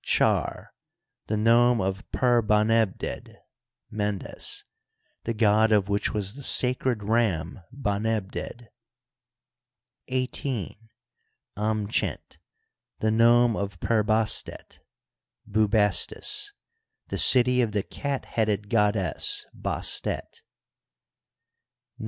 Char, the nome of Per^Banebded {Mendes), the god of which was the sac red ram Banebded, XVIII. Amchent, the nome of Per bastet (Bubastts), the city of the cat headed goddess Bastet, XIX.